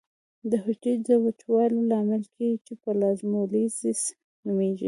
د حجرې د وچوالي لامل کیږي چې پلازمولیزس نومېږي.